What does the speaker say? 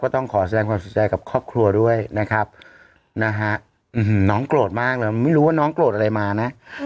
ต้องขอแสดงความเสียใจกับครอบครัวด้วยนะครับนะฮะน้องโกรธมากเลยไม่รู้ว่าน้องโกรธอะไรมานะ